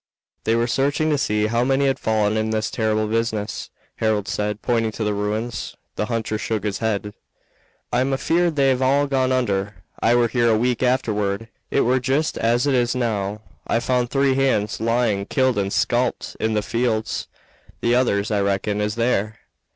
"They were searching to see how many had fallen in this terrible business," Harold said, pointing to the ruins. The hunter shook his head. "I'm afeared they've all gone under. I were here a week afterward; it were just as it is now. I found the three hands lying killed and sculped in the fields; the others, I reckon, is there.